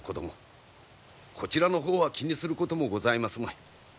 こちらの方は気にすることもございますまい。